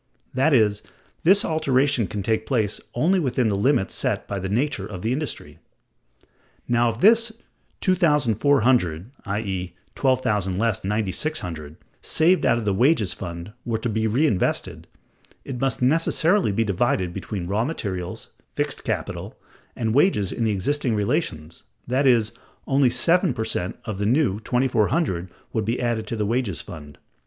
That is, this alteration can take place only within the limits set by the nature of the industry. Now, if this $2,400 (i.e., $12,000 less $9,600) saved out of the wages fund were to be reinvested, it must necessarily be divided between raw materials, fixed capital, and wages in the existing relations, that is, only seven per cent of the new $2,400 would be added to the wages fund.